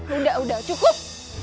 sudah sudah cukup